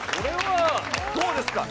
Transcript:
どうですか。